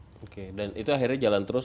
oke dan itu akhirnya jalan terus